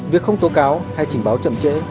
việc không tố cáo hay trình báo chậm trễ